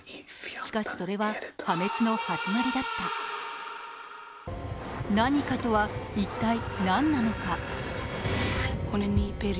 しかし、それは破滅の始まりだった「何か」とは一体何なのか。